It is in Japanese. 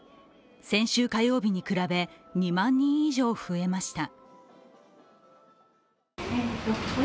先週火曜日に比べ、２万人以上増えました。